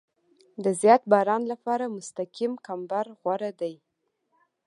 د زیات باران لپاره مستقیم کمبر غوره دی